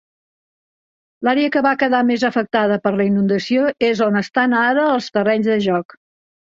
L'àrea que va quedar més afectada per la inundació és on estan ara els terrenys de joc.